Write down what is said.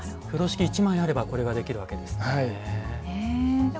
風呂敷１枚あればこれができるわけですね。